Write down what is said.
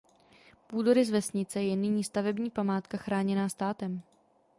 Půdorys vesnice je nyní stavební památka chráněná státem.